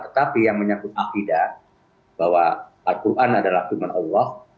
tetapi yang menyakut akhidat bahwa al quran adalah hukuman allah